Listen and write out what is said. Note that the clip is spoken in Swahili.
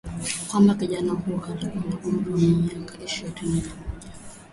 kwamba kijana huyo alikuwa na umri wa miaka ishirini na moja